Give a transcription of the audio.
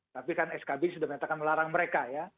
tapi kan skb sudah menyatakan melarang mereka ya